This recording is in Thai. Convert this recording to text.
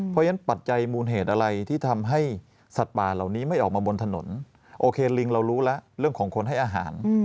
เพราะฉะนั้นปัจจัยมูลเหตุอะไรที่ทำให้สัตว์ป่าเหล่านี้ไม่ออกมาบนถนนโอเคลิงเรารู้แล้วเรื่องของคนให้อาหาร